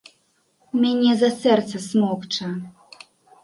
Мяне за сэрца смокча.